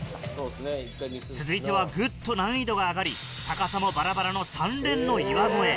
続いてはグッと難易度が上がり高さもバラバラの３連の岩越え。